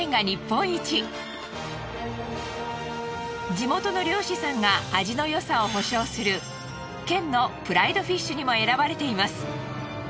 地元の漁師さんが味のよさを保証する県のプライドフィッシュにも選ばれています。